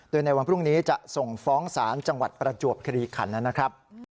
โดยในวันพรุ่งนี้จะส่งฟ้องศาลจังหวัดประจวบคลีขันนะครับ